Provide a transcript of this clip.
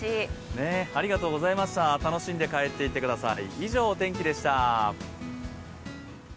ありがとうございました楽しんで帰っていってください。